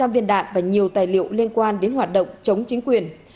năm trăm linh viên đạn và nhiều tài liệu liên quan đến hoạt động chống chính quyền